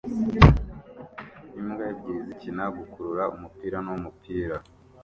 Imbwa ebyiri zikina gukurura-umupira n'umupira